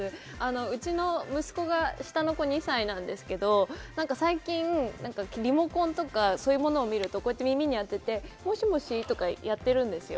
うちの息子が、下の子、２歳なんですけど最近、リモコンとか、そういうものを見ると耳に当てて「もしもし？」とかやってるんですよ。